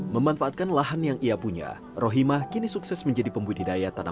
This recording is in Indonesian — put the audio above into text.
memanfaatkan lahan yang ia punya rohima kini sukses menjadi pembudidaya tanaman